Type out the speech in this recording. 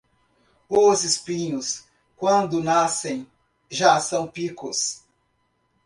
Os espinhos, quando nascem, já são picos.